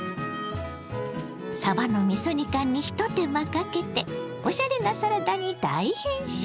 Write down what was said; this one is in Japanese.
さばのみそ煮缶にひと手間かけておしゃれなサラダに大変身！